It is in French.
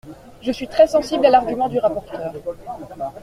Je suis très sensible à l’argument du rapporteur.